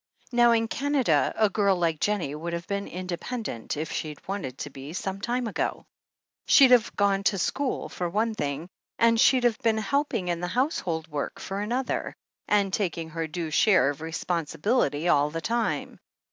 Now in Canada, a girl like Jennie would have been independent, if she'd wanted to be, some time ago. She'd have gone to school, for one thing, and she'd have been helping in the house hold work for another, and taking her due share of responsibility all the time.